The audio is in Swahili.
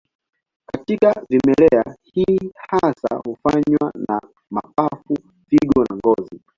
Katika vimelea, hii hasa hufanywa na mapafu, figo na ngozi.